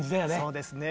そうですね。